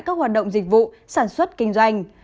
các hoạt động dịch vụ sản xuất kinh doanh